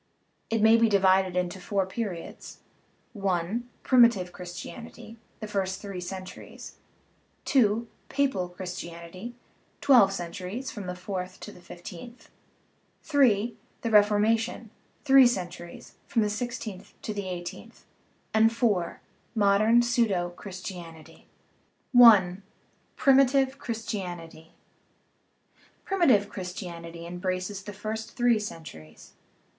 It may be divided into four periods : (i) primitive Christianity (the first three centuries), (2) papal Christianity (twelve centuries, from the fourth to the fifteenth), (3) the Ref ormation (three centuries, from the sixteenth to the eighteenth), and (4) modern pseudo Christianity. I. PRIMITIVE CHRISTIANITY Primitive Christianity embraces the first three cen turies.